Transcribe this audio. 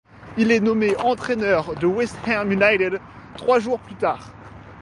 Il est nommé entraîneur de West Ham United trois jours plus tard.